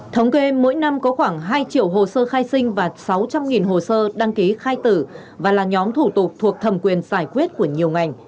thống kê mỗi năm có khoảng hai triệu hồ sơ khai sinh và sáu trăm linh hồ sơ đăng ký khai tử và là nhóm thủ tục thuộc thẩm quyền giải quyết của nhiều ngành